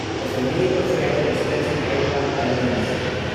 The family also had a residence in Hyde Park Gardens.